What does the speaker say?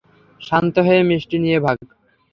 শান্ত হয়ে মিষ্টি নিয়ে ভাগ!